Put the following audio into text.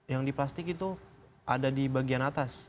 yang di plastik itu ada di bagian atas